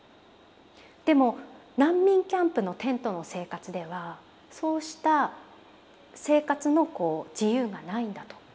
でも難民キャンプのテントの生活ではそうした生活の自由がないんだと。